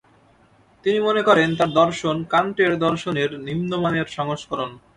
তিনি মনে করেন তার দর্শন কান্টের দর্শনের নিম্নমানের সংস্করণ।